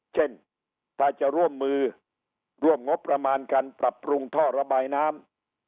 เช่นถ้าจะร่วมมือร่วมงบประมาณการปรับปรุงท่อระบายน้ำ